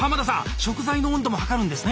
食材の温度も測るんですね？